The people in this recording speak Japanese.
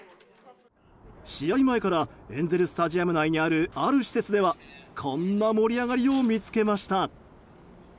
試合前からエンゼル・スタジアム内にあるある施設ではこんな盛り上がりを見つけました。